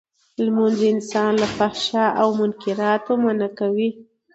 لمونځ انسان له فحشا او منکراتو منعه کوی.